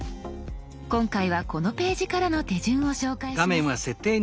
今回はこのページからの手順を紹介します。